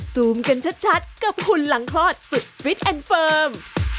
ซูมกันชัดกับคุณหลังคลอดสุดฟิตแอนด์เฟิร์ม